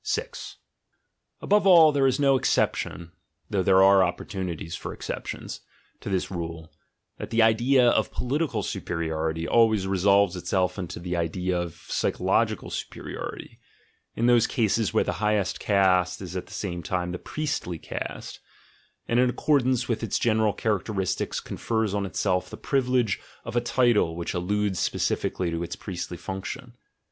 6. Above all, there is no exception (though there are op portunities for exceptions) to this rule, that the idea of political superiority always resolves itself into the idea of psychological superiority, in those cases where the highest caste is at the same time the priestly caste, and in accord ance with its general characteristics confers on itself the privilege of a title which alludes specifically to its priestly function.